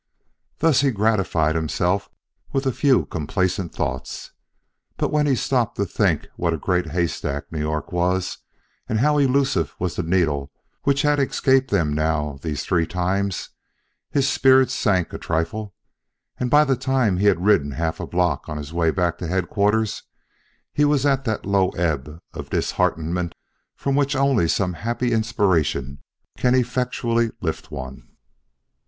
Thus he gratified himself with a few complacent thoughts. But when he stopped to think what a great haystack New York was, and how elusive was the needle which had escaped them now these three times, his spirits sank a trifle, and by the time he had ridden a half block on his way back to Headquarters, he was at that low ebb of disheartenment from which only some happy inspiration can effectually lift one.